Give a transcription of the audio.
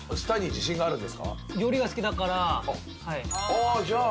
ああーじゃあ。